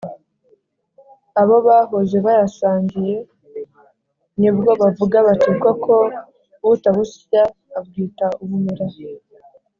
abo bahoze bayasangiye; ni bwo bavuga bati: “koko utabusya abwita ubumera!”